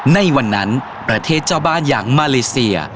ในวันนั้นประเทศเจ้าบ้านอย่างมาเลเซีย